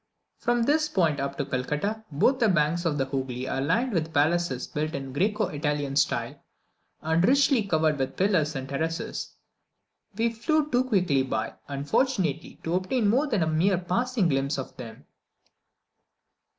From this point up to Calcutta, both banks of the Hoogly are lined with palaces built in the Greco Italian style, and richly provided with pillars and terraces. We flew too quickly by, unfortunately, to obtain more than a mere passing glimpse of them.